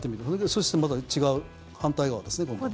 そしてまた違う反対側ですね、今度。